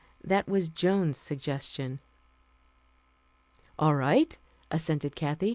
That was Joan's suggestion. "All right," assented Kathy.